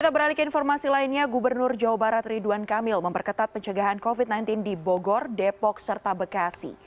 kita beralih ke informasi lainnya gubernur jawa barat ridwan kamil memperketat pencegahan covid sembilan belas di bogor depok serta bekasi